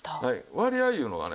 割合いうのがね